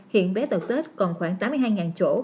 hiện bé tàu tết còn khoảng tám mươi hai chỗ